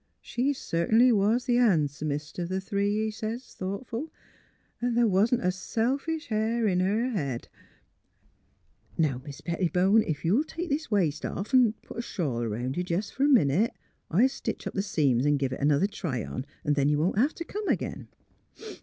' She certainly was the han'somest o' th' three! ' he sez, thoughtful; 'an' th' wa'n't a selfish hair in her head.' ... Now, Mis' Petti bone, ef you'll take this waist off an' put a shawl 'round you fer jest a minute, I'll stitch up the seams an' give it another try on, then you won't hev t' come ag'in.